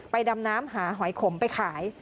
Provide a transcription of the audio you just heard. ดำน้ำหาหอยขมไปขาย